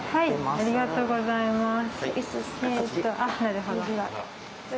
ありがとうございます。